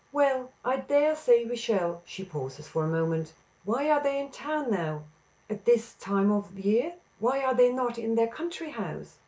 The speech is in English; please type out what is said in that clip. "Well, I dare say we shall." She pauses for a moment. "Why are they in town now at this time of year? Why are they not in their country house?"